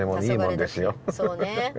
そうね。